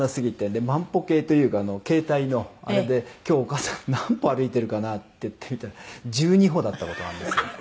「で万歩計というか携帯のあれで今日お母さん何歩歩いているかなっていって見たら１２歩だった事あるんです」